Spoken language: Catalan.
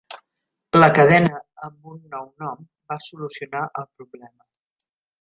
La cadena amb un nou nom va solucionar el problema.